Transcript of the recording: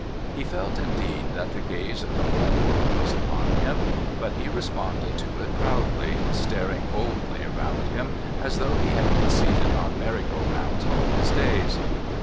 He felt, indeed, that the gaze of the whole world was upon him, but he responded to it proudly, staring boldly around him as though he had been seated on merry go rounds all his days.